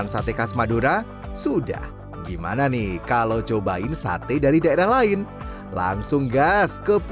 sate kambing komplit dijual seharga rp empat puluh